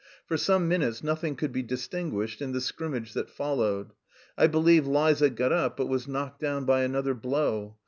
For some minutes nothing could be distinguished in the scrimmage that followed. I believe Liza got up but was knocked down by another blow.